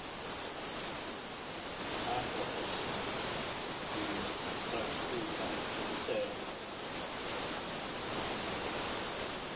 The park offers views of Duxbury Bay to the south.